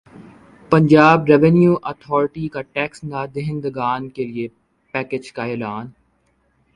Punjab revenue authority کا tax نادہندگان کیلئے پیکج کا اعلان